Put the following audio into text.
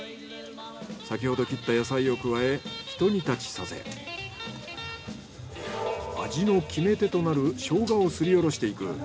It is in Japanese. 先ほど切った野菜を加えひと煮立ちさせ味の決め手となるショウガをすりおろしていく。